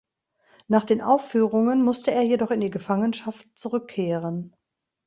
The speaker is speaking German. Nach den Aufführungen musste er jedoch in die Gefangenschaft zurückkehren.